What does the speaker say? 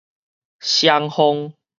雙鳳